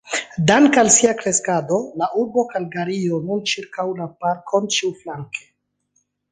Danke al sia kreskado, la urbo Kalgario nun ĉirkaŭ la parkon ĉiuflanke.